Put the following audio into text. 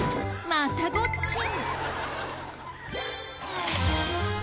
またゴッチン。